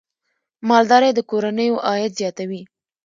مالدارۍ د کورنیو عاید زیاتوي.